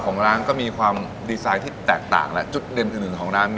ของร้านก็มีความดีไซน์ที่แตกต่างและจุดเด่นอื่นของร้าน